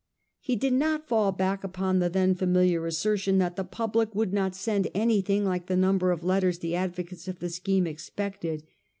He did not fall back upon the then familiar assertion that the public would not send anything like the number of letters the advocates of the scheme expected.